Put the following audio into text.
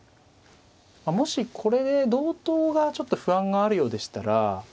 もしこれで同とがちょっと不安があるようでしたら。